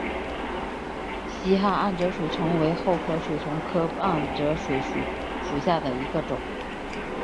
希罕暗哲水蚤为厚壳水蚤科暗哲水蚤属下的一个种。